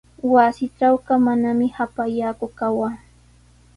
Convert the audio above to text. Wasiitrawqa manami hapallaaku kawaa.